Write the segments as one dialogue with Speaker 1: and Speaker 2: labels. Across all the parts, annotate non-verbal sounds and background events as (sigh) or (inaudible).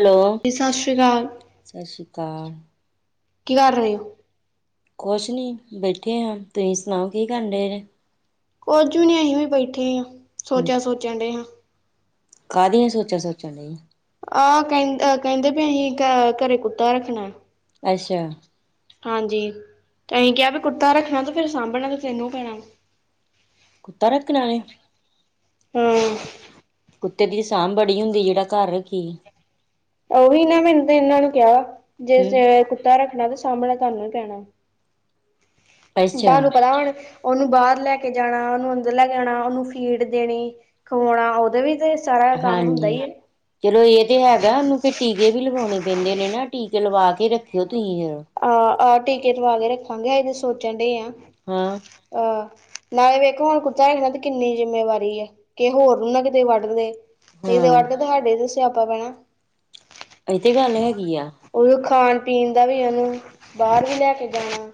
Speaker 1: Hello
Speaker 2: ਜੀ ਸਤਿ ਸ਼੍ਰੀ ਅਕਾਲ
Speaker 1: ਸਤਿ ਸ੍ਰੀ ਅਕਾਲ।
Speaker 2: ਕੀ ਕਰ ਰਹੇ ਹੋ
Speaker 1: ਕੁਛ ਨੀ, ਬੈਠੇ ਹਾਂ, ਤੁਸੀ ਸੁਣਾਓ ਕੀ ਕਰਨ ਦੇ ਜੇ
Speaker 2: ਕੁੱਝ ਵੀ ਨੀ ਅਸੀਂ ਵੀ ਬੈਠੇ ਹਾਂ, ਸੋਚਾਂ ਸੋਚਣ ਦਏ ਹਾਂ
Speaker 1: ਕਾਹਦੀਆਂ ਸੋਚਾਂ ਸੋਚਣ ਦਏ ਜੇ
Speaker 2: ਆਹ ਕਹਿੰ ਕਹਿੰਦੇ ਵੀ ਅਸੀਂ ਇਕ ਘਰੇ ਕੁੱਤਾ ਰੱਖਣਾ
Speaker 1: ਅੱਛਾ
Speaker 2: ਹਾਂਜੀ, ਤੇ ਅਸੀਂ ਕਿਹਾ ਵੀ ਕੁੱਤਾ ਰੱਖਣਾ ਤੇ ਫਿਰ ਸਾਂਭਣਾ ਤੇ ਤੈਨੂੰ ਪੈਣਾ
Speaker 1: ਕੁੱਤਾ ਰੱਖਣਾ ਨੇ
Speaker 2: ਹਮ
Speaker 1: ਕੁੱਤੇ ਦੀ ਸਾਂਭ ਬੜੀ ਹੁੰਦੀ, ਜਿਹੜਾ ਘਰ ਰੱਖੀ
Speaker 2: ਉਹੀ ਨਾ ਮੈਨੂੰ ਤੇ ਇਹਨਾਂ ਨੂੰ ਕਿਹਾ ਵਾ, ਜੇ
Speaker 1: ਹਮ
Speaker 2: ਕੁੱਤਾ ਰੱਖਣਾ ਤੇ ਸਾਂਭਣਾ ਤੁਹਾਨੂੰ ਪੈਣਾ
Speaker 1: ਅੱਛਾ
Speaker 2: ਤੁਹਾਨੂੰ ਪਤਾ ਹੁਣ, ਉਹਨੂੰ ਬਾਹਰ ਲੈ ਕੇ ਜਾਣਾ ਉਹਨੂੰ ਅੰਦਰ ਲੈ ਕੇ ਆਉਣਾ ਉਹਨੂੰ ਫੀਡ ਦੇਣੀ ਖਵਾਉਣਾ, ਉਹਦੇ ਵੀ ਤੇ ਸਾਰਾ ਕੰਮ ਹੁੰਦਾ
Speaker 1: ਹਾਂਜੀ
Speaker 2: ਹੀ ਹੈ
Speaker 1: ਚਲੋ ਇਹ ਤੇ ਹੈਗਾ ਉਹਨੂੰ ਫਿਰ ਟੀਕੇ ਵੀ ਲਗਾਉਣੇ ਪੈਂਦੇ ਨੇ ਨਾ ਟੀਕੇ ਲਵਾ ਕੇ ਰੱਖਿਓ ਤੁਸੀਂ
Speaker 2: ਆਹ, ਆਹ ਟੀਕੇ ਲਵਾ ਕੇ ਰੱਖਾਂਗੇ ਹਜੇ ਸੋਚਣ ਦਏ ਆ
Speaker 1: ਹਾਂ
Speaker 2: ਅ ਨਾਲੇ ਵੇਖੋ ਹੁਣ ਕੁੱਤਾ ਹੈਗਾ ਤੇ ਕਿੰਨੀ ਜਿੰਮੇਵਾਰੀ ਹੈ ਕਿ ਹੋਰ ਨੂੰ ਨਾ ਕਿਤੇ ਵੱਢ ਦੇਵੇ ਜੇ ਕਿਤੇ
Speaker 1: ਹਾਂ
Speaker 2: ਵੱਢਤਾ ਤਾਂ ਹਾਡੇ ਤੇ ਹੀ ਸਿਆਪਾ ਪੈਣਾ।
Speaker 1: ਇਹ ਤੇ ਗੱਲ ਹੈਗੀ ਆ।
Speaker 2: ਉਹ ਖਾਣ ਪੀਣ ਦਾ ਵੀ ਉਹਨੂੰ, ਬਾਹਰ ਵੀ ਲੈ ਕੇ ਜਾਣਾ।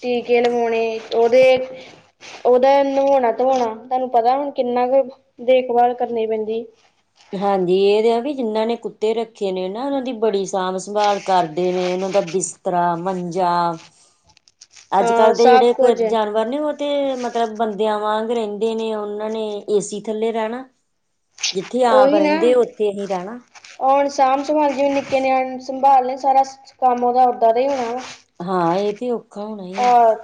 Speaker 2: ਟੀਕੇ ਲਵਾਉਣੇ ਉਹਦੇ ਉਹਦਾ ਨਵਾਉਣਾ ਧਵਾਉਣਾ, ਤੁਹਾਨੂੰ ਪਤਾ ਹੁਣ ਕਿੰਨਾ ਕੁ ਦੇਖਭਾਲ ਕਰਨੀ ਪੈਂਦੀ।
Speaker 1: ਹਾਂਜੀ ਇਹ ਤਾਂ ਆ ਵੀ ਜਿਹਨਾਂ ਨੇ ਕੁੱਤੇ ਰੱਖੇ ਨੇ ਨਾ ਉਹਨਾਂ ਦੀ ਬੜੀ ਸਾਂਭ ਸੰਭਾਲ ਕਰਦੇ ਨੇ ਉਹਨਾਂ ਦਾ ਬਿਸਤਰਾ, ਮੰਜਾ,
Speaker 2: ਹਾਂ
Speaker 1: ਅੱਜ-ਕੱਲ ਦੇ
Speaker 2: ਸਭ
Speaker 1: ਜਿਹੜੇ
Speaker 2: ਕੁਝ
Speaker 1: ਜਾਨਵ ਵਰ ਨੇ ਉਹ ਤੇ, ਮਤਲਬ ਬੰਦਿਆਂ ਵਾਂਗ ਰਹਿੰਦੇ ਨੇ ਉਹਨਾਂ ਨੇ ਏਸੀ ਥੱਲੇ ਰਹਿਣਾ। ਜਿੱਥੇ ਆਪ ਰਹਿੰਦੇ, ਉੱਥੇ ਹੀ ਰਹਿਣਾ।
Speaker 2: ਔਰ ਸਾਂਭ-ਸੰਭਾਲ ਜਿਵੇਂ ਨਿੱਕੇ ਨਿਆਣੇ ਸੰਭਾਲਨੇ, ਸਾਰਾ ਕੰਮ ਉਹਦਾ ਓਦਾਂ ਦਾ ਹੀ ਹੋਣਾ ਵਾ।
Speaker 1: ਹਾਂ, ਇਹ ਤੇ ਹੋਣਾ ਹੀ ਆ
Speaker 2: ਅਹ!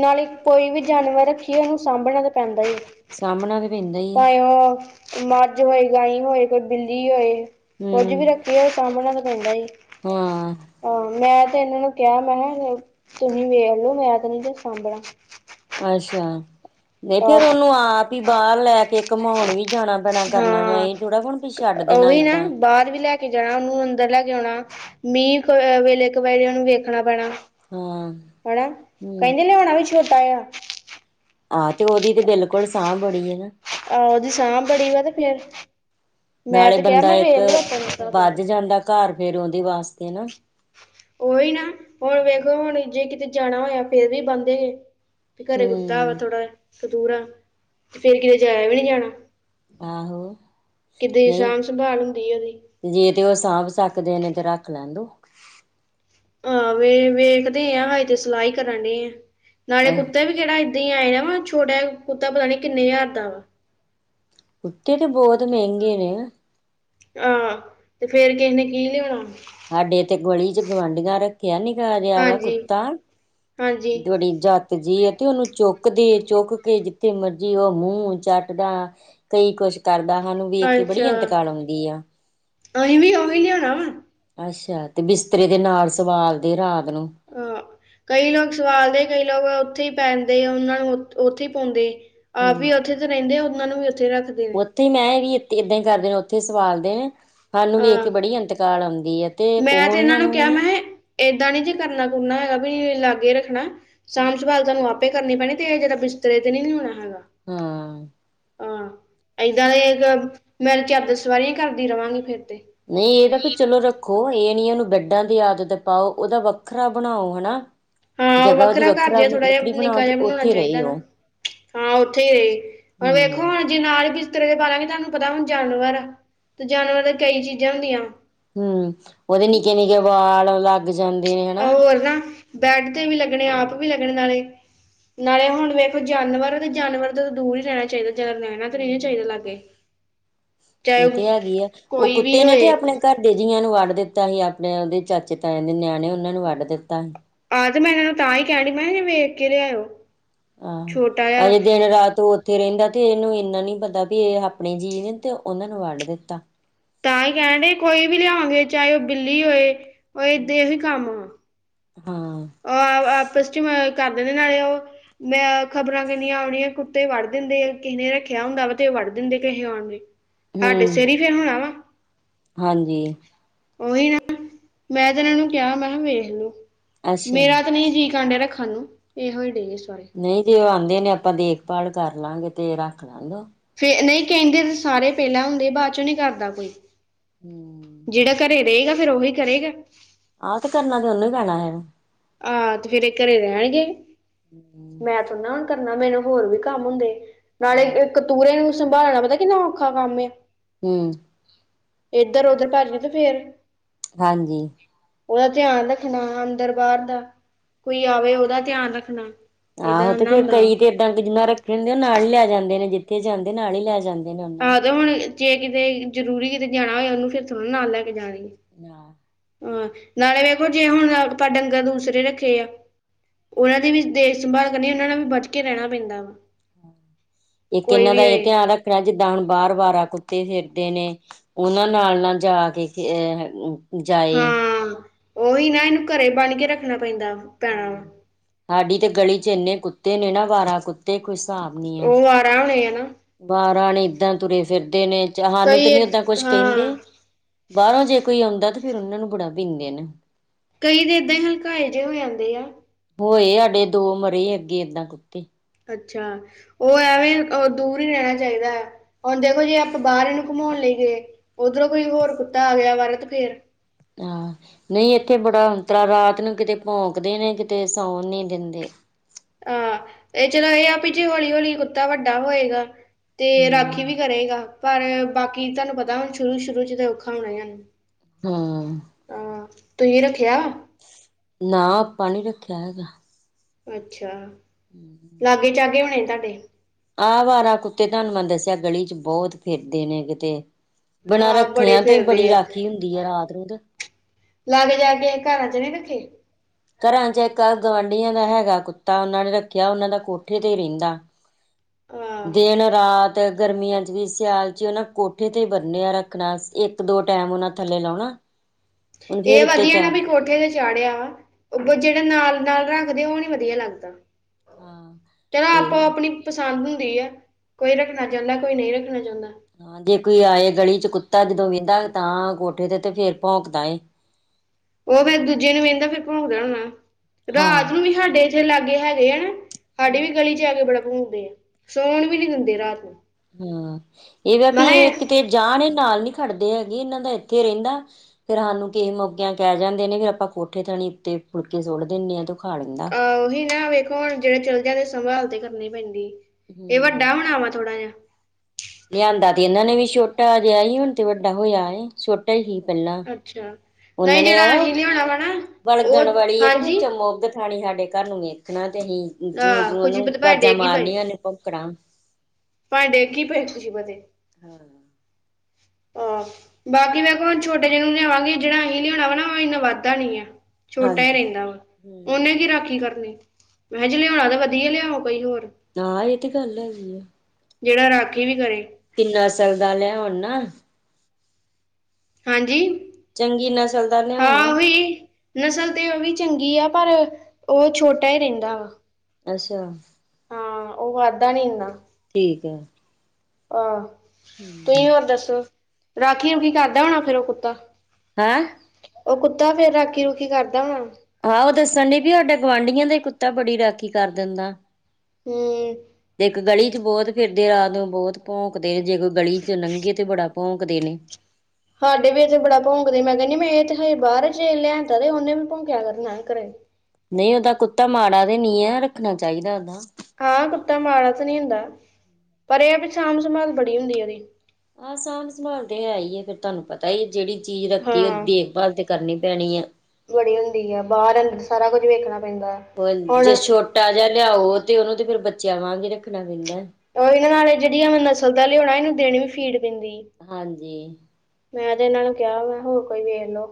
Speaker 2: ਨਾਲੇ ਕੋਈ ਵੀ ਜਾਨਵਰ ਰੱਖੀਏ ਉਹਨੂੰ ਸਾਂਭਣਾ ਤਾਂ ਪੈਂਦਾ ਈ ਆ।
Speaker 1: ਸਾਂਭਣਾ ਤੇ ਪੈਂਦਾ ਈ
Speaker 2: ਭਾਂਵੇ ਉਹ ਮੱਝ ਹੋਏ, ਗਾਂਈ ਹੋਏ, ਬਿੱਲੀ ਹੋਏ। ਕੁੱਝ
Speaker 1: ਹਮ
Speaker 2: ਵੀ ਰੱਖੀਏ, ਉਹ ਸਾਂਭਣਾ ਤਾਂ ਪੈਂਦਾ ਈ ਏ।
Speaker 1: ਹਾਂ।
Speaker 2: ਹਾਂ, ਮੈਂ ਤੇ ਇਹਨਾਂ ਨੂੰ ਕਿਹਾ, ਮੈਂ ਕਿਹਾ ਤੁਹੀ ਵੇਖਲੋ ''ਮੈਂ ਤੇ ਨਹੀ ਜੇ ਸਾਂਭਣਾ।
Speaker 1: ਅੱਸ਼ਾ। ਨਹੀਂ, ਫੇਰ ਉਹਨੂੰ ਆਪ ਹੀ ਬਾਹਰ ਲੈਕੇ ਘਂਮਾਉਣ ਵੀ ਜਾਣਾ ਪੈਣਾ ਕਰਨਾ,
Speaker 2: ਹਾਂ
Speaker 1: ਇਹ ਥੋੜਾ ਕੇ ਹੁਣ ਵੀ ਛੱਡ ਦੇਣਾ।
Speaker 2: ਉਹੀ
Speaker 1: ਏਦਾਂ
Speaker 2: ਬਾਹਰ ਵੀ ਲੈਕੇ ਜਾਣਾ, ਉਹਨੂੰ ਅੰਦਰ ਲੈਕੇ ਆਉਣਾ। ਮੀਂਹ ਵੇਲੇ ਕ ਵੇਲੇ ਉਹਨੂੰ ਵੇਖਣਾ ਪੈਣਾ।
Speaker 1: ਹਾਂ
Speaker 2: ਹਣਾ,
Speaker 1: ਹਮ
Speaker 2: ਕਹਿੰਦੇ ਲਿਆਉਣਾ ਵੀ ਛੋਟਾ ਯਾ।
Speaker 1: ਆਹ! ਤੇ ਉਹਦੀ ਤੇ ਬਿਲਕੁਲ ਸਾਂਭ ਬੜੀ ਏ ਨਾ।
Speaker 2: ਆਹੋ, ਜੇ ਸਾਂਭ ਬੜੀ ਵਾ ਤੇ ਫੇਰ, ''ਮੈਂ
Speaker 1: ਨਾਲੇ
Speaker 2: ਤੇ ਕਿਹਾ,
Speaker 1: ਬੰਦਾ
Speaker 2: ਮੈਂ
Speaker 1: ਇੱਕ
Speaker 2: ਵੇਖਲੋ ਆਪਣਾ ਸ੍ਹਾਬ
Speaker 1: ਵੱਧ
Speaker 2: ਲਾਕੇ।
Speaker 1: ਜਾਂਦਾ ਘਰ ਫੇਰ ਉਹਦੇ ਵਾਸਤੇ ਨਾ
Speaker 2: ਉਹੀ ਨਾ, ਹੁਣ ਵੇਖੋ ਹੁਣ ਜੇ ਕਿਤੇ ਜਾਣਾ ਹੋਇਆ ਫੇਰ ਵੀ, ਬੰਦਸ ਤੇ ਘਰੇ ਕੁੱਤਾ ਵਾ
Speaker 1: ਹਮ
Speaker 2: ਥੋੜਾ, ਕਤੂਰਾ, ਤੇ ਫੇਰ ਕਿਤੇ ਜਾਇਆ ਵੀ ਨਹੀਂ ਜਾਣਾ।
Speaker 1: ਆਹੋ।
Speaker 2: ਕਿੱਦੇ
Speaker 1: ਨਹੀਂ
Speaker 2: ਸਾਂਭ-ਸੰਭਾਲ ਹੁੰਦੀ ਆ, ਉਹਦੀ।
Speaker 1: ਜੇ ਤੇ ਉਹ ਸਾਂਭ ਸਕਦੇ ਨੇ, ਤੇ ਰੱਖ ਲੈਣ ਦੋ।
Speaker 2: ਆਹ, ਵੇ, ਵੇਖਦੇ ਆ ਹਜੇ ਤੇ ਸਲਾਹ‌ ਈ ਕਰਨਡੇ ਆ, ਨਾਲੇ ਕੁੱਤੇ ਵੀ ਕਿਹੜਾ ਏਦਾਂ ਹੀ ਆਏ ਨਾ ਵਾ, ਛੋਟਾ ਕੁੱਤਾ ਪਤਾ ਨੀ ਕਿੰਨੇ ਹਜ਼ਾਰ ਦਾ ਵਾ।
Speaker 1: ਕੁੁੱਤੇ ਤੇ, ਬਹੁਤ ਮਹਿੰਗੇ ਨੇ।
Speaker 2: ਆਹ! ਤੇ ਫੇਰ ਕਿਹੇ ਨੇ ਕੀ ਲਿਆਉਣਾ।
Speaker 1: ਸਾਡੇ ਇੱਥੇ ਗਲੀ'ਚ ਗੁਆਂਢੀਆਂ ਰੱਖ ਰੱਖਿਆ ਨੀ ਜਾ ਰਿਹਾ ਵਾ
Speaker 2: ਹਾਂਜੀ
Speaker 1: ਕੁੱਤਾ।
Speaker 2: ਹਾਂਜੀ
Speaker 1: ਬੜੀ ਜੱਤ ਜੀ ਆ, ਤੇ ਉਹਨੂੰ ਚੁੱਕ ਚੁੱਕਦੇ-ਚੁੱਕਕੇ ਜਿੱਥੇ ਮਰਜ਼ੀ ਉਹਦਾ ਮੂੰਹ ਚੱਟਦਾ, ਕਈ ਕੁਛ ਕਰਦਾ, ਹਾੰਨੁ ਵੇਖਕੇ ਬੜੀ ਅੰਤਕਾਲ ਆਉਂਦੀ ਆ।
Speaker 2: ਅਹੀ ਵੀ, ਉਵੇਂ ਲਿਆਣਾ ਵਾ।
Speaker 1: ਅੱਛਾ, ਤੇ ਬਿਸਤਰੇ ਦੇ ਨਾਲ ਸਵਾਲਦੇ ਰਾਤ ਨੂੰ।
Speaker 2: ਹਾਂ ਕਈ ਲੋਕ ਸਵਾਲਦੇ, ਕਈ ਲੋਕ ਉੱਥੇ ਹੀ ਪੈਂਦੇ, ਉਹਨਾਂ ਨੂੰ ਉੱਥੇ ਈ ਪਾਉਂਦੇ ਆ। ਆਪ
Speaker 1: ਹੂੰ
Speaker 2: ਵੀ ਉੱਥੇ ਤੇ ਰਹਿੰਦੇ, ਉਹਨਾਂ ਨੂੰ ਵੀ ਉੱਥੇ ਰੱਖ
Speaker 1: ਉੱਥੇ ਈ ''ਮੈਂ ਵੀ ਏਦਾਂ ਹੀ ਕਰਦੇ ਨੇ ਉੱਥੇ ਸਵਾਲਦੇ ਨੇ, ਹਾਂਨੂੰ
Speaker 2: ਹਾਂ
Speaker 1: ਵੇਖਕੇ ਬੜੀ ਅੰਤ ਕਾਲ ਆਉਂਦੀ ਆ, ਤੇ ਉਹ ਉਹਨਾਂ ਨੂੰ ਨੀ
Speaker 2: ਇਹਦਾਂ ਨੀ ਜੇ ਕਰਨਾ-ਕੁਰਨਾ ਹੈਗਾ ਵੀ ਲਾਗੇ ਰੱਖਣਾ, ਸਾਂਭ-ਸੰਭਾਲ ਤੁਹਾਨੂੰ ਆ ਪੇ ਕਰਨੀ ਪੈਣੀ, ਤੇ ਇਹ ਜਿਆਦਾ ਬਿਸਤਰੇ ਤੇ ਨੀ ਲਿਆਉਣਾ ਹੈਗਾ।
Speaker 1: ਹਾਂ।
Speaker 2: ਹਾਂ, ਏਦਾਂ ਦੇ ''ਮੈਂ ਤ ਚਾਦਰ ਸਫਾਰੀਆਂ ਕਰਦੀ ਰ੍ਹਵਾਂਗੀ ਫੇਰ ਤੇ।
Speaker 1: ਨਹੀਂ, ਇਹ ਤਾਂ ਵੀ ਚਲੋ ਰੱਖ- ਖੋ, ਇਹ ਨੀ ਉਹਨੂੰ ਬੈਡਾਂ ਦੀ ਆਦਤ ਪਾਓ, ਉਹਦਾ ਵੱਖਰਾ ਬਣਾਓ ਹਨਾ।
Speaker 2: ਹਾਂ ਉਹ
Speaker 1: ਜਗ੍ਹਾ ਉਹਦੀ
Speaker 2: ਵੱਖਰਾ
Speaker 1: ਵੱਖਰ,
Speaker 2: ਘਰ ਜਿਹਾ ਥੋੜਾ ਜਿਹਾ
Speaker 1: ਵੱਖਰੀ ਬਣਾਓ
Speaker 2: ਨਿੱਕਾ
Speaker 1: ਤੇ
Speaker 2: ਜਿਹਾ ਬਣਾਉਣਾ
Speaker 1: ਉਥੇ ਰਹੇ
Speaker 2: ਚਾਹੀਦਾ ਨਾ
Speaker 1: ਉਹ।
Speaker 2: ਹਾਂ, ਉਥੇ ਹੀ ਰਹੇ, ਹਣ
Speaker 1: ਹਮ
Speaker 2: ਵੇਖੋ ਹਾਂ ਹੁਣ ਜੇ ਨਾਲ ਬਿ ਸਤਰੇ ਤੇ ਪਾਲਾਂਗੇ ਤੁਹਾਨੂੰ ਪਤਾ ਹੁਣ ਜਾਨਵਰ ਆ, ਤੇ ਜਾਨਵਰ ਦੀ ਕਈ ਚੀਜ਼ਾਂ ਹੁੰਦੀਆਂ ਵਾ।
Speaker 1: ਹੂੰ, ਉਹਦੇ ਨਿਕੇ-ਨਿਕੇ ਵਾਲ ਲ
Speaker 2: ਹੋਰ ਨਾ, ਬੈਡ ਤੇ ਵੀ ਲੱਗਣੇ, ਆਪ ਵੀ ਲੱਗਣੇ ਨਾਲੇ ਨਾਲੇ ਹੁਣ ਵੇਖੋ ਜਾਨਵਰ ਆ, ਤੇ ਜਾਨਵਰ ਤੋ ਤ ਦੂਰ ਹੀ ਰਹਿਣਾ ਚਾਹੀਦਾ ਜਗਰ ਰਹਿਣਾ ਤਾਂ
Speaker 1: ਹਮ
Speaker 2: ਨਹੀ
Speaker 1: ਹਮ
Speaker 2: ਚਾਹੀਦਾ ਲਾਗੇ। ਚਾਹੇ
Speaker 1: ਇਹ
Speaker 2: ਉਹ
Speaker 1: ਤੇ ਹੈਗੀ ਐ, ਉਹ
Speaker 2: ਕੋਈ ਵੀ
Speaker 1: ਕੁੱਤੇ ਨੇ ਤੇ
Speaker 2: ਹੋਏ
Speaker 1: ਆਪਣੇ ਘਰ ਦੇ ਜੀਆਂ ਨੂੰ ਵੱਢ ਦਿੱਤਾ ਸੀ, ਆਪਣੇ ਉਹਦੇ ਚਾਚੇ ਤਾਇਆਂ ਦੇ ਨਿਆਣੇ, ਉਹਨਾਂ ਨੂੰ ਵੱਢ ਦਿੱਤਾ ਸੀ।
Speaker 2: ਆਹ ਤੇ ਮੈ ਇਹਨਾਂ ਨੂੰ ਤਾਂ ਹੀ ਕਹਿਣ ਡਈ, ਮਹਾਂ ਮੈਂ ਵੇਖ ਕੇ ਲਿਆਇਓ। ਛੋਟਾ
Speaker 1: ਆਹ
Speaker 2: ਜਿਹਾ
Speaker 1: ਅਰੇ ਦਿਨ ਰਾਤ ਹੋ ਤੇ ਰਹਿੰਦਾ ਤੇ ਇਹਨੂੰ ਇੰਨਾ ਨੀ ਪਤਾ ਵੀ ਇਹ ਆਪਣੇ ਜੀਅ ਨੇ, ਤੇ ਉਹਨਾਂ ਨੂੰ ਵੱਢ ਦਿੱਤਾ।
Speaker 2: ਤਾਂਹੀ ਕਹਿਣ ਡਈ ਕੋਈ ਵੀ ਲਿਆਵਾਂਗੇ, ਚਾਹੇ ਉਹ ਬਿੱਲੀ ਹੋਏ ਉਹ ਏਦੇ ਵੀ ਕੰਮ ਆਉਣਾ।
Speaker 1: ਹੂੰ,
Speaker 2: ਉਹ ਆਪਸ ਚ ਕਰ ਦਿੰਦੇ ਨਾਲੇ ਉਹ, ਮੈਂ ਖਬਰਾਂ ਕਿੰਨੀਆਂ ਆਉਣੀਆਂ ਕੁ ਤੇ ਵੱਢ ਦਿੰਦੇ ਕਿਸੇ ਨੇ ਰੱਖਿਆ ਹੁੰਦਾ, ਤੇ ਉਹ ਵੱਢ ਦਿੰਦੇ ਕਿਸੇ ਆਉਣ ਦੇ। ਸਾਡੇ
Speaker 1: ਹਮ
Speaker 2: ਸਵੇਰੇ ਫੇਰ ਹੋਣਾ ਵਾ, ਹਾਂਜੀ।
Speaker 1: ਹਾਂਜੀ
Speaker 2: ਉਹੀ ਨਾ, ਮੈਂ ਤੇ ਇਹਨਾਂ ਨੂੰ ਕਿਹਾ, ਮੈਂ ਕਿਹਾ ਵੇਖਲੋ।
Speaker 1: ਅੱਛਾ
Speaker 2: ਮੇਰਾ ਤਾਂ ਨਹੀਂ ਜੀਅ ਕਰਨ ਡਿਆ ਰੱਖਣ ਨੂੰ, ਇਹੋ ਹੀ ਡਈ ਸਾਰੇ।
Speaker 1: ਨਹੀ ਜੇ ਉਹ ਆਂਦੇ ਨੇ, ਆਪਾਂ ਦੇਖਭਾਲ ਕਰ ਲਾਂਗੇ, ਤੇ ਰੱਖ ਲਾਂਗੇ ਉਹ।
Speaker 2: ਫੇ ਨਹੀ ਕਹਿੰਦੇ ਤੇ ਸਾਰੇ ਪਹਿਲਾਂ ਹੁੰਦੇ, ਬਾਅਦ ਚੋਂ ਨੀ ਕਰਦਾ ਕੋਈ।
Speaker 1: ਹੂੰ,
Speaker 2: ਜਿਹੜਾ ਘਰੇ ਰਹੇਗਾ, ਫੇਰ ਉਹੀ ਕਰੇਗਾ।
Speaker 1: ਆਹ ਤੇ ਕਰਨਾ, ਤੇ ਉਹਨੂੰ ਹੀ ਪੈਣਾ ਐ।
Speaker 2: ਆਹ ਤੇ ਫੇਰ ਇਹ ਘਰੇ ਰਹਿਣਗੇ।
Speaker 1: ਹਮ
Speaker 2: ਮੈਂ ਥੋੜ੍ਹਾ ਹੁਣ ਕਰਨਾ, ਮੈਨੂੰ ਹੋਰ ਵੀ ਕੰਮ ਹੁੰਦੇ। ਨਾਲੇ ਕਤੂਰੇ ਨੂੰ ਸੰਭਾਲਣਾ, ਪਤਾ ਕਿੰਨਾ ਔਖਾ ਕੰਮ ਐ। ਏਧਰ ਓਧਰ ਭੱਜ ਗਈ ਤੇ ਫੇਰ
Speaker 1: ਹਾਂਜੀ
Speaker 2: ਉਹਦਾ ਧਿਆਨ ਰੱਖਣਾ, ਅੰਦਰ- ਬਾਹਰ ਦਾ। ਕੋਈ ਆਵੇ ਉਹਦਾ ਧਿਆਨ ਰੱਖਣਾ, ਇਹਦਾ ਨਮ ਦਾ।
Speaker 1: ਟੰਗ ਜਿੰਨਾ ਰੱਖੇ ਹੁੰਦੇ, ਉਹ ਨਾਲ ਹੀ ਲੈ ਜਾਂਦੇ ਨੇ, ਜਿੱਥੇ ਜਾਂਦੇ ਨਾਲ ਹੀ ਲੈ ਜਾਂਦੇ ਨੇ। ਉਹਨਾਂ ਨੂੰ
Speaker 2: ਆਹੋ ਤੇ ਹੁਣ ਜੇ ਕਿਤੇ ਜ਼ਰੂਰੀ ਕਿਤੇ ਜਾਣਾ ਹੋਏ, ਉਹਨੂੰ ਫੇਰ ਥੋੜ੍ਹਾ ਨਾਲ ਲੈ ਕੇ ਜਾਣਗੇ।
Speaker 1: ਨਾ
Speaker 2: ਹਾਂ, ਨਾਲੇ ਵੇਖੋ ਜੇ ਹੁਣ ਆਪਾਂ ਡੰਗਰ ਦੂਸਰੇ ਰੱਖੇ ਆ ਉਹਨਾਂ ਦੀ ਵੀ ਦੇਖ ਸੰਭਾਲ ਕਰਨੀ, ਉਹਨਾਂ ਨਾਲ ਵੀ ਬਚ ਕੇ ਰਹਿਣਾ ਪੈਂਦਾ ਵਾ।
Speaker 1: ਇੱਕ
Speaker 2: ਕੋਈ
Speaker 1: ਇਹਨਾਂ
Speaker 2: ਵੀ
Speaker 1: ਦਾ ਇਹ
Speaker 2: ਹੋਏ
Speaker 1: ਧਿਆਨ ਰੱਖਣਾ, ਜਿੱਦਾਂ ਹੁਣ ਬਾਹਰ ਅਵਾਰਾ ਕੁੱਤੇ ਫਿਰਦੇ ਨੇ। ਉਹਨਾਂ ਨਾਲ ਨਾ ਜਾ ਕੇ ਕੇ ਜਾਏ, ਹਾਂ।
Speaker 2: ਉਹੀ ਨਾ ਇਹਨੂੰ ਘਰੇ ਬੰਨ੍ਹ ਕੇ ਰੱਖਣਾ ਪੈਂਦਾ ਵਾ। ਪੈਣਾ
Speaker 1: ਸਾਡੀ ਤੇ ਗਲੀ ਚ ਇੰਨੇ ਕੁੱਤੇ ਨੇ ਨਾ ਅਵਾਰਾ ਕੁੱਤੇ, ਕੋਈ ਹਿਸਾਬ ਨੀ। ਆ
Speaker 2: ਉਹ ਆਵਾਰਾ ਹੋਣੇ ਐ ਨਾ।
Speaker 1: ਅਵਾਰਾ ਨੀ, ਏਦਾਂ ਤੁਰੇ ਫਿਰਦੇ ਨੇ, ਸਾਨੂੰ
Speaker 2: ਕਈ
Speaker 1: ਤੇ ਨੀ ਓਦਾਂ
Speaker 2: ਏਦ-
Speaker 1: ਕੁਛ ਕਹਿੰਦੇ।
Speaker 2: ਹਾਂ
Speaker 1: ਬਾਹਰੋਂ ਜੇ ਕੋਈ ਆਉਂਦਾ, ਤੇ ਫੇਰ ਉਹਨਾਂ ਨੂੰ ਬੜਾ ਪੀਂਦੇ ਨੇ।
Speaker 2: ਕਈ ਦੇ ਏਦਾਂ ਹੀ ਹਲਕਾਏ ਜਿਹੇ ਹੋ ਜਾਂਦੇ ਆ।
Speaker 1: ਹੋਏ ਸਾਡੇ, ਦੋ ਮਰੇ ਅੱਗੇ ਏਦਾਂ ਕੁੱਤੇ।
Speaker 2: ਅੱਛਾ, ਉਹ ਐਵੇਂ ਦੂਰ ਹੀ ਰਹਿਣਾ ਚਾਹੀਦਾ ਐ। ਹੁਣ ਦੇਖੋ ਜੇ ਆਪਾਂ ਬਾਹਰ ਇਹਨੂੰ ਘੁੰਮਾਉਣ ਲਈ ਗਏ, ਉੱਧਰੋਂ ਕੋਈ ਹੋਰ ਕੁੱਤਾ ਆ ਗਿਆ, ਬਾਹਰੇ ਤੇ ਫੇਰ।
Speaker 1: ਹਾਂ, ਨਹੀ ਇੱਥੇ ਬੜਾ ਔਂਤਰਾ ਰਾਤ ਨੂੰ ਕਿਤੇ ਭੋਂਕਦੇ ਨੇ, ਕਿਤੇ ਸੌਣ ਨੀ ਦਿੰਦੇ।
Speaker 2: ਆਹ ਇਹ ਚਲੋ ਇਹ ਆ ਭੀ, ਜੇ ਹੌਲੀ-ਹੌਲੀ ਕੁੱਤਾ ਵੱਡਾ ਹੋਏਗਾ। ਤੇ
Speaker 1: ਹਾਂ
Speaker 2: ਰਾਖੀ ਵੀ ਕਰੇਗਾ, ਪਰ ਬਾਕੀ ਤੁਹਾਨੂੰ ਪਤਾ ਹੁਣ ਸ਼ੁਰੂ- ਸ਼ੁਰੂ ਚ ਤਾਂ ਔਖਾ ਹੋਣਾ ਹੈ ਤਹਾਨੂੰ।
Speaker 1: ਹੂੰ,
Speaker 2: ਹਾਂ, ਤੁਸੀਂ ਰੱਖਿਆ।
Speaker 1: ਨਾ ਆਪਾਂ ਨੀ ਰੱਖਿਆ ਹੈਗਾ।
Speaker 2: ਅੱਛਾ, ਲਾਗੇ- ਚਾਗੇ ਹੋਣੇ ਤੁਹਾਡੇ।
Speaker 1: ਆਹ ਅਵਾਰਾ ਕੁੱਤੇ ਤੁਹਾਨੂੰ ਮੈਂ ਦੱਸਿਆ, ਗਲੀ ਚ ਬਹੁਤ ਫਿਰਦੇ ਨੇ ਕਿਤੇ। ਬਿਨਾਂ
Speaker 2: ਆ ਬੜੇ
Speaker 1: ਰੱਖਿਆਂ ਤੋਂ ਹੀ ਬੜੀ
Speaker 2: ਫਿਰਦੇ ਆ
Speaker 1: ਰਾਖੀ ਹੁੰਦੀ ਐ, ਰਾਤ ਨੂੰ ਤੇ।
Speaker 2: ਲਾਗੇ ਜਾ ਕੇ ਅ ਘਰਾਂ ਚ ਨੇ ਰੱਖੇ।
Speaker 1: ਘਰਾਂ ਚ ਇੱਕ ਗੁਵਆਂਢੀਆਂ ਦਾ ਹੈਗਾ ਕੁੱਤਾ ਉਹਨਾਂ ਨੇ ਰੱਖਿਆ ਉਹਨਾਂ ਦਾ ਕੋਠੇ ਤੇ ਹੀ ਰਹਿੰਦਾ।
Speaker 2: ਆ
Speaker 1: ਦਿਨ-ਰਾਤ ਗਰਮੀਆਂ ਚ ਵੀ, ਸਿਆਲ ਚ ਉਹ ਨਾ ਕੋਠੇ ਤੇ ਬਨਿਆ ਰੱਖਣਾ ਇੱਕ-ਦੋ ਟੈਮ ਉਹਨਾ ਥੱਲੇ ਲਾਉਣਾ। (inaudible) ਫੇਰ
Speaker 2: ਇਹ
Speaker 1: ਉੱਤੇ
Speaker 2: ਵਧੀਆ ਨਾ
Speaker 1: ਚਾੜ
Speaker 2: ਬ ਕੋਠੇ ਦੇ ਚਾੜਿਆ ਵਾ ਉਹ ਜਿਹੜਾ ਨਾਲ ਨਾਲ ਰੱਖਦੇ ਉਹ ਨੀ ਵਧੀਆ ਲੱਗਦਾ।
Speaker 1: ਹਾਂ
Speaker 2: ਚਲੋ
Speaker 1: ਤੇ
Speaker 2: ਆਪੋ- ਆਪਣੀ ਪਸੰਦ ਹੁੰਦੀ ਹੈ ਕੋਈ ਰੱਖਣਾ ਚਾਹੁੰਦਾ ਕੋਈ ਨਹੀਂ ਰੱਖਣਾ ਚਾਹੁੰਦਾ।
Speaker 1: ਹਾਂ, ਜੇ ਕੋਈ ਆਏ ਗਲੀ ਚ ਕੁੱਤਾ ਜਦੋਂ ਵੇਹਂਦਾ ਤਾਂ ਕੋਠੇ ਤੇ ਤੇ ਫੇਰ ਭੋਂਕਦਾ ਏ। (inaudible)
Speaker 2: ਉਹ ਫਿਕ-ਦੂਜੇ ਨੂੰ ਵੇਹਿੰਦਾ ਫੇਰ ਭੋਂਕਦਾ ਹੋਣਾ
Speaker 1: ਹਾਂ
Speaker 2: ਰਾਤ ਨੂੰ ਵੀ ਸਾਡੇ ਇਥੇ ਲਾਗੇ ਹੈਗੇ ਆ ਸਾਡੇ ਵੀ ਗਲੀ ਚ ਆ ਕੇ ਬੜਾ ਭੋਕਦੇ ਆ ਸੌਣ ਵੀ ਨੀ ਦਿੰਦੇ ਰਾਤ ਨੂੰ।
Speaker 1: ਹੂੰ, ਇਹ ਵੀ ਇਹ
Speaker 2: ਮਹੇ
Speaker 1: ਕਿਤੇ ਜਾਣ ਨਾਲ ਨਹੀਂ ਖੜਦੇ ਹੈਗੇ ਇਹਨਾਂ ਦਾ ਇੱਥੇ ਰਹਿੰਦਾ। ਫੇਰ ਸਾਨੂੰ ਕਿਸੇ ਮੋਕਿਆਂ ਕਹਿ ਜਾਂਦੇ ਨੇ ਫੇਰ ਆਪਾਂ ਕੋਠੇ ਥਣੀ ਉੱਤੇ ਫੁਲਕੇ ਸੁੱਟ ਦਿੰਦੇ ਹਾਂ ਤੇ ਖਾ ਲੈਂਦਾ
Speaker 2: ਆਹ ਉਹੀ ਨਾ ਵੇਖੋ ਹੁਣ ਜਿਹੜੇ ਚੱਲ ਜਾਂਦੇ ਸੰਭਾਲ ਤੇ ਕਰਨੀ ਪੈਂਦੀ ਇਹ
Speaker 1: ਹੂੰ
Speaker 2: ਵੱਡਾ ਹੋਣਾ ਵਾ। ਥੋੜਾ ਜਿਹਾ।
Speaker 1: ਲਿਆਂਦਾ ਤੇ ਇਹਨਾਂ ਨੇ ਵੀ ਛੋਟਾ ਜਿਹਾ ਸੀ ਹੁਣ ਤੇ ਵੱਡਾ ਹੋਇਆ ਇਹ। ਛੋਟਾ ਸੀ ਪਹਿਲਾਂ,
Speaker 2: ਅੱਛਾ
Speaker 1: ਉਹਨਾਂ
Speaker 2: ਨਹੀਂ
Speaker 1: ਨੇ
Speaker 2: ਜਿਹੜਾ
Speaker 1: ਯਾਰ
Speaker 2: ਅਸੀਂ ਲਿਆਉਣਾ ਵਾ ਨਾ
Speaker 1: ਬਲਦਣ
Speaker 2: ਉਹ
Speaker 1: ਵਾਲੀ ਤੇ ਵੀਚੇ
Speaker 2: ਹਾਂਜੀ
Speaker 1: ਉਧਰ ਖਾਣੀ ਸਾਡੇ ਘਰ ਨੂੰ ਵੇਖਣਾ ਤੇ ਅਸੀਂ
Speaker 2: ਹਾਂ
Speaker 1: ਜੂ-ਜੂ ਨੂੰ
Speaker 2: ਖੁਸ਼ੀਪਤ ਭਾਈ
Speaker 1: ਵਾਜਾਂ
Speaker 2: ਡਿੱਗ
Speaker 1: ਮਾਰਨੀਆਂ ਉਹਨੇ ਭੋਕੜਾਂ-
Speaker 2: ਭਾਂਡੇ ਕੀ ਭਏ ਤੁਸੀਂ ਪਤ
Speaker 1: ਹਾਂ (inaudible)
Speaker 2: ਹਾਂ। ਬਾਕੀ ਮੈਂ ਕਿਹਾ ਛੋਟੇ ਜਿਹੇ ਨੂੰ ਲਿਆਵਾਂਗੇ ਜਿਹੜਾ ਅਸੀ ਲਿਆਉਣਾ ਵਾ ਨਾ ਉਹ ਇੰਨਾ ਵੱਧਦਾ ਨੀ ਆ। ਛੋਟਾ
Speaker 1: ਹਾਂਜੀ
Speaker 2: ਰਹਿੰਦਾ ਵਾ
Speaker 1: ਹਮ
Speaker 2: ਉਹਹਨੇ ਕੀ ਰਾਖੀ ਕਰਨੀ? ਮੈਂ ਕਿਹਾ ਜੇ ਲਿਆਉਣਾ ਤਾਂ ਵਧੀਆ ਲਿਆਉੋ ਕੋਈ ਹੋਰ
Speaker 1: ਨਾ ਇਹ ਤੇ ਗੱਲ ਹੈਗੀ ਆ।
Speaker 2: ਜਿਹੜਾ ਰਾਖੀ ਵੀ ਕਰੇ।
Speaker 1: ਕਿੰਨਾ ਸਾਲ ਦਾ ਲਿਆਉਣ ਨਾ।
Speaker 2: ਹਾਂਜੀ।
Speaker 1: ਚੰਗੀ ਨਸਲ ਦਾ
Speaker 2: ਹਾਂ
Speaker 1: ਲਿਆਉਣ
Speaker 2: ਉਹੀ ਨਸਲ ਤਾਂ ਉਹ ਵੀ ਚੰਗੀ ਆ ਪਰ ਉਹ ਛੋਟਾ ਹੀ ਰਹਿੰਦਾ ਵਾ
Speaker 1: ਅੱਛਾ।
Speaker 2: ਹਾਂ, ਉਹ ਵਾਧਾ ਨੀ ਇੰਨਾ
Speaker 1: ਠੀਕ ਆ।
Speaker 2: ਆਹ ਤੁਸੀ ਹੋਰ ਦੱਸੋ ਰਾਖੀ-ਰੂਖੀ ਕਰਦਾ ਹੋਣਾ ਫੇਰ ਉਹ ਕੁੱਤਾ
Speaker 1: ਹੈਂ
Speaker 2: ਉਹ ਕੁੱਤਾ ਫੇਿਰ ਰਾਖੀ-ਰੂਖੀ ਕਰਦਾ ਹੋਣਾ।
Speaker 1: ਆਹ ਉਹ ਦੱਸਣ ਡੀ ਵੀ ਸਾਢੇ ਗੁਆਂਢੀਆਂ ਦਾ ਹੀ ਕੁੱਤਾ ਬੜੀ ਰਾਖੀ ਕਰ ਦਿੰਦਾ।
Speaker 2: ਹੂੰ
Speaker 1: ਤੇ ਇੱਕ ਗਲੀ ਚ ਬਹੁਤ ਫਿਰਦੇ ਰਾਤ ਨੂੰ ਬਹੁਤ। ਭੋਂਂਕਦੇ ਨੇ ਜੇ ਕੋਈ ਗਲੀ ਚ ਲੰਘੇ ਤੇ ਬੜਾ ਭੋਂਂਕਦੇ ਨੇ।
Speaker 2: ਸਾਡੇ ਵੀ ਇਥੇ ਬੜਾ ਭੋਂਕਦੇ ਮੈਂ ਕਹਿੰਦੀ ਮੈਂ ਇਹ ਤੇ ਹਜੇ ਬਾਹਰ, ਜੇ ਲਿਆਂਦਾ ਤੇ ਉਹਨੇ ਵੀ ਭੋਂਕਿਆ ਕਰਨਾ ਘਰੇ।
Speaker 1: ਨਹੀਂ, ਉਹਦਾ ਕੁੱਤਾ ਮਾੜਾ ਤੇ ਨਹੀਂ ਹੈ ਰੱਖਣਾ ਚਾਹੀਦਾ ਦਾਵਾ।
Speaker 2: ਹਾਂ, ਕੁੱਤਾ ਮਾੜਾ ਤਾਂ ਨਹੀਂ ਹੁੰਦਾ ਪਰ ਇਹ ਹੈ ਸਾਂਭ-ਸੰਭਾਲ ਬੜੀ ਹੁੰਦੀ ਉਹਦੀ।
Speaker 1: ਹਾ, ਸਾਂਭ-ਸੰਭਾਲ ਤੇ ਹੈ ਹੀ ਹੈ, ਫੇਰ ਤੁਹਾਨੂੰ ਪਤਾ ਹੀ ਜਿਹੜੀ ਚੀਜ਼ ਰੱਖੀ ਉਹ
Speaker 2: ਹਾਂ
Speaker 1: ਦੇਖਭਾਲ ਤੇ ਕਰਨੀ ਪੈਣੀ ਹੈ।
Speaker 2: ਬੜੀ ਹੁੰਦੀ ਹੈ ਬਾਹਰ-ਅੰਦਰ ਸਾਰਾ ਕੁੱਝ ਵੇਖਣਾ ਪੈਂਦਾ। ਹੁਣ
Speaker 1: ਜੇ ਛੋਟਾ ਜਿਹਾ ਲਿਆਓ ਤੇ ਉਹਨੂੰ ਤੇ ਫੇਿਰ ਬੱਚਿਆਂ ਵਾਂਗੇ ਰੱਖਣਾ ਪੈਂਦਾ।
Speaker 2: ਉਹ ਇਹਨਾਂ ਨਾਲ ਜਿਹੜੀ ਆ ਮੈਂ ਨਸਲ ਦਾ ਲਿਆਉਣਾ ਇਹਨੂੰ ਦੇਣੀ ਵੀ ਫੀਡ ਪੈਂਦੀ।
Speaker 1: ਹਾਂਜੀ।
Speaker 2: ਮੈਂ ਤੇ ਇਹਨਾਂ ਨੂੰ ਕਿਹਾ ਮੈਂ ਹੋਰ ਕੋਈ ਵੇਖ ਲੋੋ।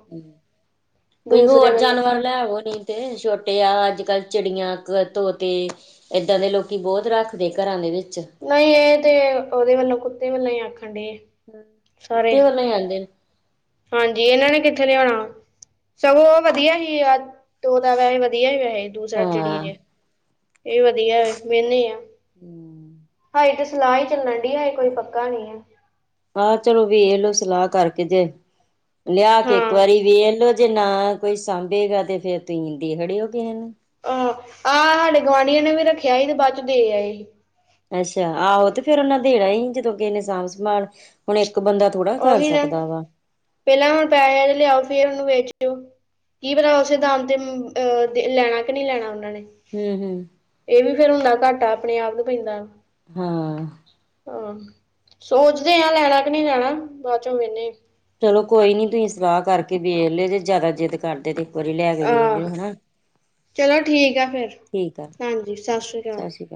Speaker 1: ਕੋਈ ਹੋਰ ਜਾਨਵਰ। ਲੈਵੋ ਨੀ ਤੇ ਛੋਟੇ ਆ ਅੱਜ ਕੱਲ ਚਿੜੀਆਂ ਤੋਤੇ। ਇਏਦਾਂ ਦੇ ਲੋਕੀ ਬਹੁਤ ਰੱਖਦੇ ਘਰਾਂ ਦੇ ਵਿੱਚ।
Speaker 2: ਨਹੀਂ ਇਹ ਤੇ ਉਹਦੇ ਵੱਲੋਂ ਕੁੱਤੇ ਵੱਲੋਂ ਹੀ ਆਖਣ ਡੇ।
Speaker 1: ਹਮ
Speaker 2: ਸਾਰੇ
Speaker 1: ਕੁੱਤੇ ਵੱਲੋਂ ਹੀ ਆਂਦੇ ਨੇ।
Speaker 2: ਹਾਂਜੀ ਇਹਨਾਂ ਨੇ ਕਿੱਥੇ ਲਿਆਉਣਾ। ਸਗੋਂ ਉਹ ਵਧੀਆ ਹੀ ਆ ਤੋਤਾਂ ਵੈਸੇ ਵਧੀਆ ਹੀ ਵੈਹੈ। ਦੂਸਰਾ ਚਿੜੀ
Speaker 1: ਹਾਂ
Speaker 2: ਜੇ ਇਹ ਵਧੀਆ ਆ ਵੇਣੇ ਆ। ਹਾਏ ਤੇ ਸਲਾਹੀ ਚੱਲਣ ਡੀ ਹਏ ਕੋਈ ਪੱਕਾ ਨੀ ਹੈ।
Speaker 1: ਆਹੋ ਚਲੋ ਵੇਖਲੋ ਸਲਾਹ ਕਰਕੇ ਜੇ ਲਿਆ ਕੇ ਇੱਕ
Speaker 2: ਹਾਂ
Speaker 1: ਵਾਰੀ ਵੇਖ ਲੋੋ ਜੇ ਨਾ। ਕੋਈ ਸਾਂਭੇਗਾ ਤੇ ਫੇਰ ਤੁਸੀਂ ਦੇ ਖੜੇ ਹੋ ਕਿਸੇ ਨੂੰ।
Speaker 2: ਹਾਂ ਆਹ ਸਾਡੇ ਗੁਆਂਢੀਆਂ ਨੇ ਵੀ ਰੱਖਿਆ ਹੀ ਤੇ ਬਾਅਦ ਚ ਦੇ ਆਏ ਹੀ।
Speaker 1: ਅੱਛਾ ਆਹੋ ਤੇ ਫੇਰ ਉਹਨਾ ਦੇਣਾ ਹੀ ਜਦੋਂ ਕਿਸਨੇ ਸਾਂਭ ਸੰਭਾਲ ਹੁਣ ਇੱਕ ਬੰਦਾ। ਥੋੜਾ ਕਰ
Speaker 2: ਉਓਹੀ ਨਾ
Speaker 1: ਸਕਦਾ ਵਾ
Speaker 2: ਪਹਿਲਾਂ ਹੁਣ ਪੈਹਿਆਂ ਦਾ ਲਿਆਓ ਫੇਰ ਉਹਨੂੰ ਵੇਚੋ। ਕੀ ਪਤਾ ਉਸੇ ਦਾਮ ਤੇ ਅਹ ਲੈਣਾ ਕਿ ਨਹੀਂ ਲੈਣਾ ਉਹਨਾਂ ਨੇ।
Speaker 1: ਹੂ ਹੂ।
Speaker 2: ਇਹ ਵੀ ਫੇਿਰ ਹੁੰਦਾ ਘਾਟਾ ਆਪਣੇ ਆਪ ਨੂੰ ਪੈਂਦਾ।
Speaker 1: ਹਾਂ।
Speaker 2: ਹਾਂ ਸੋਚਦੇ ਆ ਲੈਣਾ ਕਿ ਨਹੀਂ ਲੈਣਾ ਬਾਅਦ ਚੋਂ ਵੇਨੇ।
Speaker 1: ਚਲੋ ਕੋਈ ਨੀ ਤੁਹੀ ਸਲਾਹ ਕਰਕੇ ਵੇਚ ਲ ਜੇ ਜਿਆਦਾ ਜਿੱਦ ਕਰਦੇ ਤੇ। ਵਾਰੀ ਲੈ ਕੇ ਵਹੋ ਲਿਓ
Speaker 2: ਆਹ
Speaker 1: ਹਨਾ।
Speaker 2: ਚਲੋ ਠੀਕ ਆ ਫਿਰ
Speaker 1: ਠੀਕ ਆ
Speaker 2: ਹਾਂਜੀ ਸਤਿ ਸ੍ਰੀ ਅਕਾਲ।
Speaker 1: ਸਤਿ ਸ਼੍ਰੀ